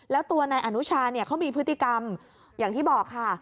แล้วตัวนายอนุชาเนี่ยเขามีพฤติกรรมอย่างที่บอกค่ะ